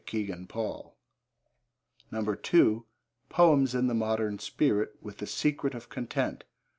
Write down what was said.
(Kegan Paul.) (2) Poems in the Modern Spirit, with The Secret of Content.